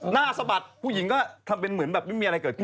สะบัดผู้หญิงก็ทำเป็นเหมือนแบบไม่มีอะไรเกิดขึ้น